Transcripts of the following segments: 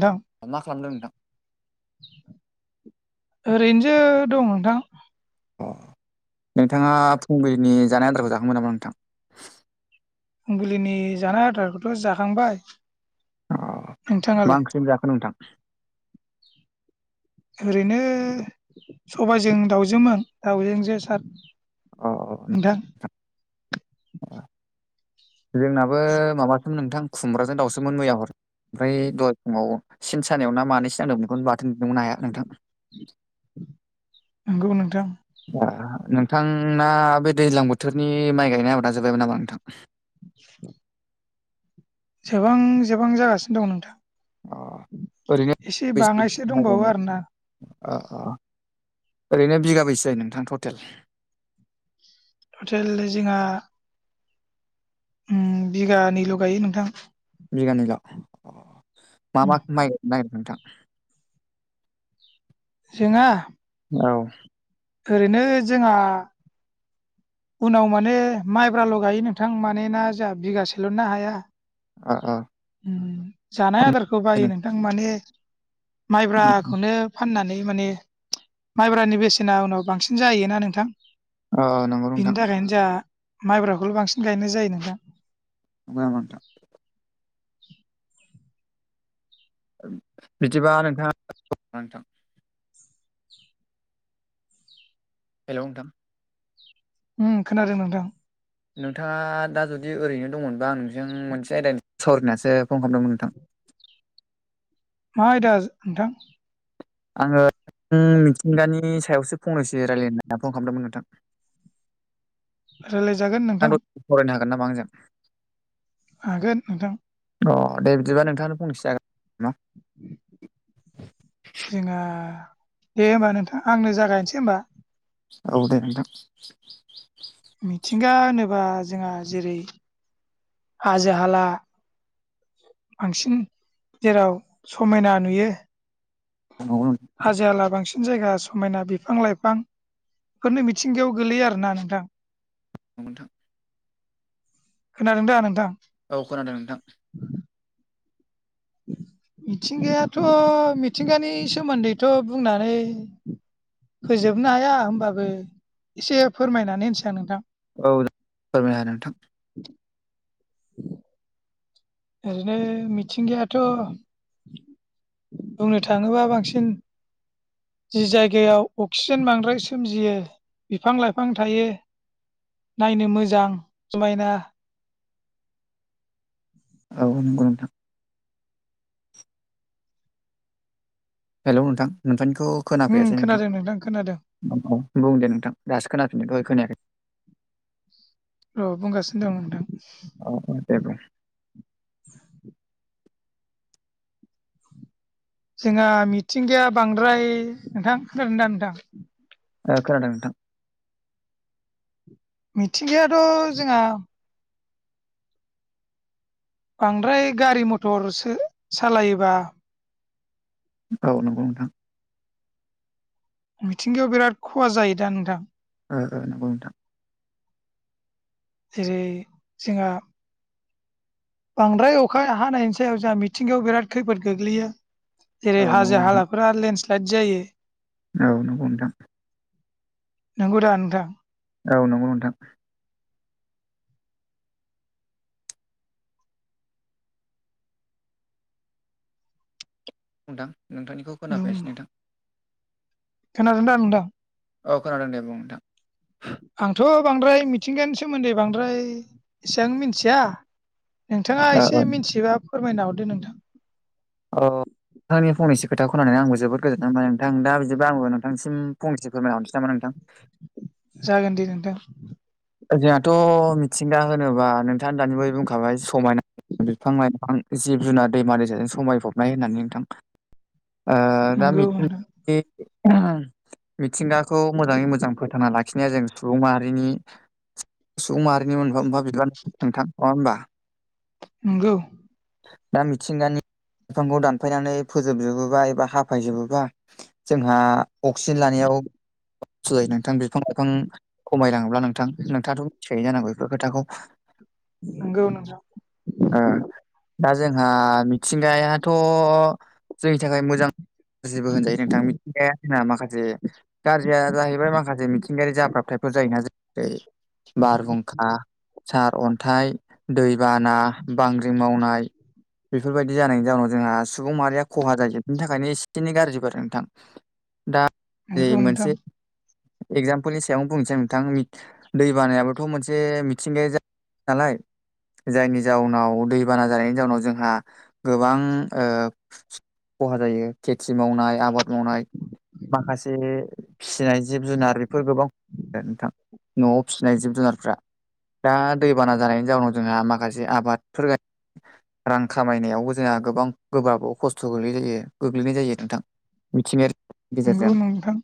नोंथां मा खालामदों नोंथां? ओरैनसो दं नोंथां। अ नोंथाङा फुंबिलिनि जानाय आदारखौ जाखांबाय नामा नोंथां? फुंबिलिनि जानाय आदारखौथ' जाखांबाय। अ मा नोंथाङालाय? ओंख्रि जाखो नोंथां? ओरैनो सबायजों दाउजोमोन। दाउजों जोसार अ अ नोंथां। जोंनाबो माबासोमोन नोंथां खुमब्राजों दाउसोमोन मैया हर ओमफ्राय दहय फुङाव सिन सानायाव ना मानैसो नांदोंमोन बेखौनो बाथोन नुदोंमोन आया। नोंथां। नंगौ नोंथां आ नोंथांना बे दैज्लां बोथोरनि माइ गायनाय आबादा जोब्बायमोन नामा नोंथां? [inaudible] जोबहां जोबहां जागासिनो दं अ ओरैनो नोंथां। एसे बेसे बाङायसो माइ गायनो दंबावो आरो ना। अ अ ओरैनो बिगाबैसे जायो नोंथां टटेल? हटेल जिंहा उम बिगानैल' गायो नोंथां। बिगानैल' मा उम मा माइ [unintelligible] नोंथां? जोंहा? औ ओरैनो जोंहा उनाव माने माइब्राल' गायो नोंथां माने ना जाहा बिगासेल' ना हाया। आ आ उम जानाय आदारखौ बायो नोंथां माने अ माइब्राखौनो फाननानै माने माइब्रानि बेसेना उनाव बांसिन जायोना नोंथां। अ नं बिनि थाखायनो जोंहा माइब्राखौल' बांसिन गायनाय जायो नोंथां। नोंगौ नामा नोंथां? बिदिबा नोंथाङा [inaudible] नोंथां हेलौ नोंथां। उम खोनादों नोंथां। नोंथाङा दा जुदि ओरैनो दंमोनबा आं नोंजों मोनसे आयदानि सावरानोसो फन खालामदोंमोन नोंथां। मा आयदा नोंथां? आङो उम मिथिंगानि सायावसो फंनैसो रायलायनो ना फन खालामदोंमोन नोंथां। रायलायजागोन नोंथां। फरायनो हागोन नामा आंजों? हागोन नोंथां। अ दे बिदिबा नोंथांनो फंनैसो जा [inaudible] जोंना दे होमबा नोंथां आंनो जागायनसै होमबा। औ दे नोंथां। मिथिंगा होनोबा जोंहा जेरै हाजो हाला बांसिन जेराव समायना नुयो नंगौ नों हाजो हाला बांसि सिन जायगा समायना बिफां लाइफां फोरनो मिथिंगायाव गोलैयो आरोना नोंथां। [unintelligible] खोनादों दा नोंथां? औ खोनादों नोंथां। मिथिंगायाथ' मिथिंगानि सोमोन्दैथ' बुंनानै होजोबनो हाया होमबाबो एसे फोरमायनानै होनसै आं नोंथां औ फोरमायना नोंथां ओरैनो मिथिंगायाथ' बुंनो थाङोबा बांसिन जि जायगायाव अक्सिजेन बांद्राय सोमजियो बिफां लाइफां थायो नायनो मोजां समायना औ नंगौ नोंथां हेल' नोंथां नोंथांनिखौ उम खोनाफैयासै नोंथां खोनादों खोनादों औ बुं दे नोंथां दासो खोनाफिनदों दहय खोनायाखै र बुंगासिनो दं नोंथां औ औ दे बुं जोंहा मिथिंगाया बांद्राय नोंथां खोनादोंदा नोंथां? ओ खोनादों नोंथां मिथिंगायाथ' जोंहा बांद्राय गारि मथरसो सालायोबा औ नंगौ नोंथां मिथिंगायाव बिराद खहा जायो दा नोंथां ओ ओ नंगौ नोंथां जेरै जोंहा बांद्राय अखा हानायनि सायाव जोंहा मिथिंगायाव बिराद खैफोद गोग्लैयो औ जेरै नंगौ हाजो नोंथां हालाफोरा लेन्डस्लाइद जायो औ नंगौ नोंथां नंगौदा नोंथां औ नंगौ नोंथां नोंथां नोंथांनिखौ खोनाफैयासै नोंथां खोनादों दा नोंथां? औ खोनादों दे बुं नोंथां आंथ' बांद्राय मिथिंगानि सोमोन्दै बांद्राय एसेबां मिथिया नोंथाङा ओ ओ एसे मिथिबा फोरमायना हरदो नोंथां औ नोंथांनि फंनैसो खोथाखौनानै आं जोबोद गोजोन्नाय आरो नोंथां दा बिदिबो आंबो नोंथांसिम फंनैसो फोरमायना हरनोसै नामा नोंथां? जागोन दे नोंथां ओ जोंहाथ' मिथिंगा होनोबा नोंथाङा दानि बावै बुंखाबाय समायना बिफां लाइफां जिब जुनार दैमा दैसाजों समायफबनाय होननानै नोंथां [inaudible] ओ दा [unintelligible] नंगौ नोंथां मिथिंगाखौ मोजाङै मोजां फोथांना लाखिनाया जों सुबुं माहारिनि सुबुं माहारिनि मोनफा मोनफा बिबान नोंथां नङा होनबा नंगौ दा मिथिंगानि बिफांखौ दानफायनानै फोजोबजोबोबा एबा हाफायजोबोबा जोंहा अक्सिजेन लानायाव जायो नोंथां बिफां लाइफां खमायलाङोब्ला नोंथां नोंथ' मिथिखायो जानांगौ बेफोर खोथाखौ नगौ नोंथां ओ दा जोंहा मिथिंगायाथ' जोंनि थाखाय मोजां जिबो होनजायो नोंथां मिथिखाया जोंना माखासे गाज्रिया जाहैबाय माखासे मिथिंगायारि जाब्राबथायफोर जायोना जेरै बारहुंखा सार अन्थाइ दैबाना बांग्रिं मावनाय बेफोरबायदि जानायनि जाउनाव जोंहा सुबुं माहारिया खहा जायो बिनि थाखायनो एसेखिनि गाज्रिबो आरो नोंथां दा नंगौ नोंथां मोनसे एगजामपोलनि सायाव बुंनोसै नोंथां दै बानायाबोथ' मोनसे मिथिंगाया [unintelligible] नालाय जायनि जाउनाव दैबाना जानायनि जाउनाव जोंहा गोबां खहा जायो खेथि मावनाय आबाद मावनाय माखासे फिसिनाय जिब जुनार बेफोर गोबाव नोंथां न'आव फिसिनाय जिब जुनारफ्रा दा दैबाना जानायनि जाउनाव जोंहा माखासे आबादफोर रां खामायनायावबो जोंहा गोबां गोबाबाव खस्थ' गोलै जायो गोग्लैनाय जायो नोंथां मिथिंगायारि गेजेरजों नंगौ नोंथां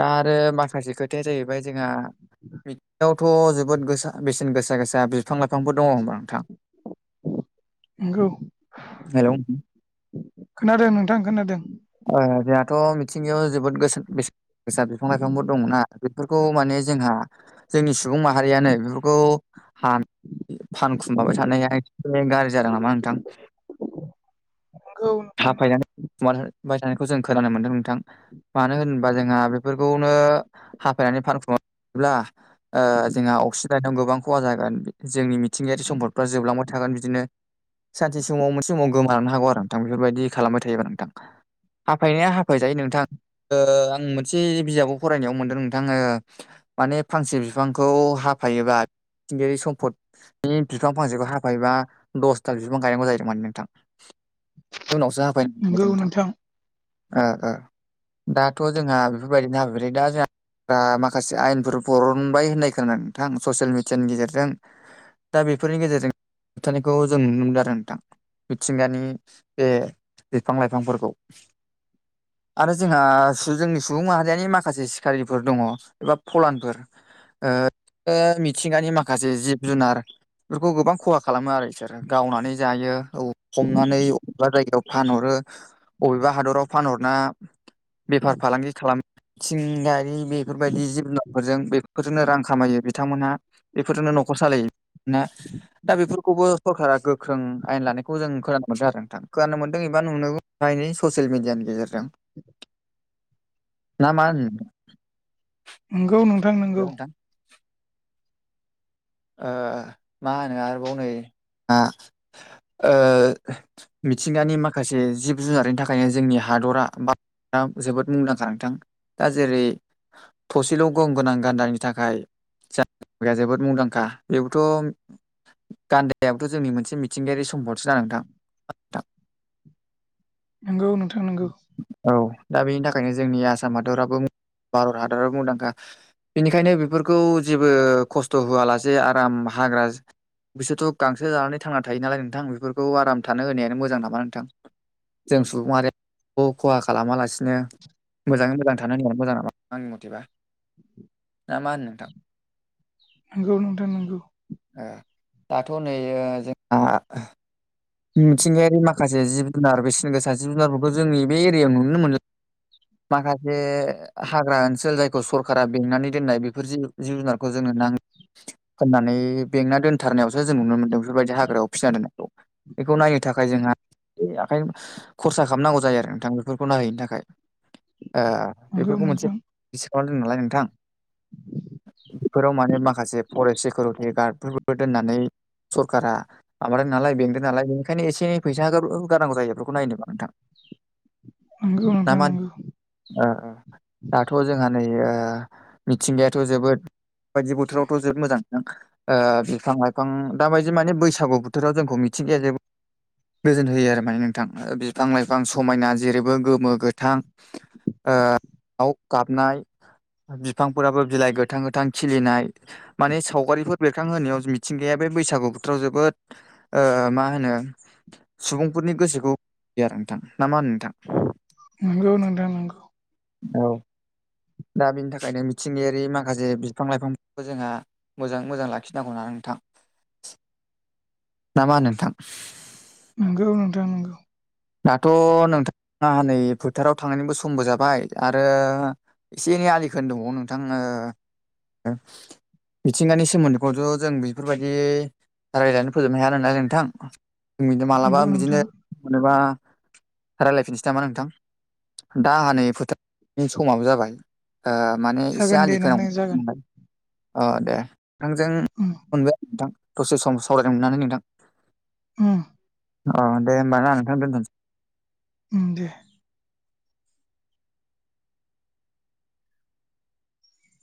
दा आरो माखासे खोथाया जाहैबाय ओमफ्राय जोंहा बियावथ' जोबोद गोसा बेसेन गोसा गोसा दा बिफां लाइफांफोर दङ होनबा नोंथां नंगौ हेलौ खोनादों नोंथां खोनादों जोंहाथ' मिथिंगायाव जोबोद गो बेसेन गोसा बिफां लाइफांफोर दंना खौ माने जोंहा जोंनि सुबुं माहारियानो बेफोरखौ हा फानखुमाबाय थानाया एसे गाज्रि जादों नामा नोंथां [inaudible] नंगौ नोंथां हाफायनो थानायखौ जों खोनानो मोनदों नोंथां मानो होनोबा जोंहा बेफोरखौनो हाफायनानै फानखुमोब्ला जोंहा अक्सिडाइनाव गोबां खहा जागोन जोंनिथि मिथिंगायारि सम्पदफ्रा जोबलांबाय थागोन बिदिनो सानसे समाव मोनसे समाव गोमानो हागौ आरो नोंथां बेफोरबायदि खालामबाय थायोबा नोंथां हाफायनाया हाफाय जायो नोंथां आं मोनसे बिजाबाव फरायनायाव मोनदोंन आङो माने फांसे बिफांखौ हाफायोबा मिथिंगायारि सम्फद बे बिफां फांसेखौ हाफायोबा दसथा बिफां गायनांगौ जाहैदों माने नोंथां उनावसो हाफायनो नोंथां दाथ' जोंहा बेफोरबायदिनो नाब्रै दा जोंहा दा माखासे आयेनफोर बरनबाय होननाय खोनादों नोंथां ससियेल मिडियानि गेजेरजों दा बेफोरनि गेजेरजों होबथानायखौ जों नुनो मोनदों आरो नोंथां मिथिंगानि बे बिफां लाइफांफोरखौ आरो जोंहा जोंनि सुबुं माहारियानि माखासे सिखारि दङ एबा फलानफोर ओ मिथिगानि मा माखासे जिब जुनार बेफोरखौ गोबां खहा खालामो आरो बिसोरो गावनानै जायो हमनानै अबेबा जायगायाव फानहरो अबेबा हादराव फानहरना बेफार फालांगि खालामथिंगारि बेफोरबायदि जिब जुनारफोरजों बेफोरजोंनो रां खामायो बिथांमोनहा बेफोरजोंनो न'खर सालायो ना दा बेफोरखौबो सरकारा गोख्रों आयेन लानायखौ जों खोनानो मोनदों आरो नोंथां खोनानो मोनदों एबा नुनो नै ससियेल मिडियानि गेजेरजों [inaudible] ना मा होनो नंगौ नोंथां नोंगौ हेलौ नोंथां मा होनो आरोबाव नै मिथिंगानि माखासे जिब जुनारनि थाखायनो जोंनि हादरा बा दा जोबोद मुंदांखा नोंथां दा जेरै थसेल' गं गोनां गान्दानि थाखाय जा जोबोद मुंदांखा खा बेबोथ' गान्दायाबोथ' जोंनि मोनसे मिथिंगायारि सम्पद सोना नोंथां नंगौ नोंथां नंगौ औ दा बेनि थाखायनो जोंनि आसाम हादराबो भारत हादराव मुंदांखा बेनिखायनो बेफोरखौ जेबो खस्थ' होआलासे आराम हाग्रा बिसोरथ' गांसो जानानै थांना थायो नालाय नोंथां बेफोरखौ आराम थानो होनायानो मोजां नामा नोंथां। जों सुबुंमारि बे खहा खालामालासिनो मोजाङै मोजां थानो होननाया मोजां नामा आंनि मथेबा। ना मा होनो नोंथां। नोंगौ नोंथां नोंगौ। दाथ' नैयो जोंहा। मिथिंगायारि माखासे जिब जुनार बेसिन गोसा जिब जुनारफोरखौ जोंनि बे एरियायाव नुनो मोनला। माखासे। हाग्रा ओनसोल जायखौ सरका बेंनानै दोननाय बेफोर जि जिब जुनारखौ जोंनो नां होननानै बेंना दोनथारनायावसो जों नुनो मोन्दों बेफोरबायदि हाग्रायाव फिसिना दोननायखौ। बेखौ नायनो थाखाय जोंहा आखायनो खरसा खालामनांगौ जायो आरो नोंथां बेफोरखौ नायहैनो थाखाय। नंगौ बेफोरखौ मोनसे नोंथां डिसकाउन्ट दं नालाय नोंथां। फोराव माने माखासे फरेस्ट सिकिउरिटि गार्ड। दोननानै सरखारा माबादों नालाय बे नालाय बेनिखायनो एसे फैसा गारांगौ जायो बेफोरखौ नायनोमा नोंथां। नंगौ ना नोंथां मा होनो नोंगौ। दाथ' जोंहा नै मिथिंगायाथ' जोबोद। बायदि बोथोरावथ' जोबोद मोजां नोंथां। बिफां लाइफां दााबायदि माने बैसागु बोथोराव जोंखौ मिथिंगाया जेबो गोजोन होयो आरो माने नोंथां बिफां लाइफां समायना जेरैबो गोमो गोथां। दाव गाबनाय बिफांफोराबो बिलाइ गोथां गोथां खिलिनाय। माने सावगारिफोर बेरखांहोनायाव मिथिंगाया बे बैसागु बोथोराव जोबोद ओ मा होनो सुबुंफोरनि गोसोखौयो आरो नोंथां ना मा होनो नोंथां। नंगौ नोंथां नंगौ। औ। दा बिनि थाखायनो मिथिंगायारि माखासे बिफां लाइफांफोरखौ जोंहा। मोजाङै मोजां लाखिनांगौ होननानै नोंथां [inaudible] ना मा होनो नोंथां। नंगौ नोंथां नोंगौ। दाथ' नोंथां आंहानै फोथाराव थांनायनिबो समबो जाबाय आरो। एसे एनै आलि खोनो दंबावो नोंथां। मिथिंगानि सोमोन्दैखौथ' जों बेफोरबायदि रायज्लायनो फोजोबनो हाया नालाय नोंथां। नंगौ मालाबा नोंथां बिदिनो मोनोबा रायलायफिनसै नामा नोंथां? दा आंहा नै फोथारनि समाबो जाबाय। माने एसे जागोन दे आलि नोंथां खोनांगौ जागोन दंनालाय। नोंथांजों उम मोनबाय आरो नोंथां दसे सम सावरायनो मोननानै नोंथां। उम। अ दे होनबा ना नोंथां दोनथ'नोसै उम दे